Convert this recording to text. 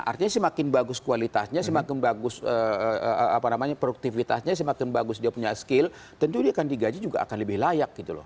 artinya semakin bagus kualitasnya semakin bagus produktivitasnya semakin bagus dia punya skill tentu dia akan digaji juga akan lebih layak gitu loh